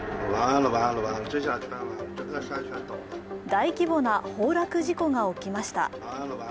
大規模な崩落事故が起きました。